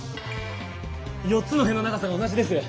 ４つの辺の長さが同じです。